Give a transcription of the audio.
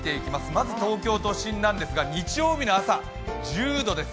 まず東京都心なんですが日曜日の朝、１０度です。